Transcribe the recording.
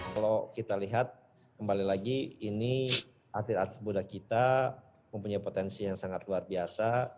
kalau kita lihat kembali lagi ini atlet atlet muda kita mempunyai potensi yang sangat luar biasa